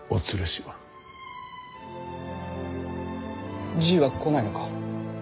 じいは来ないのか。